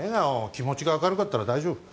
気持ちが明るかったら大丈夫。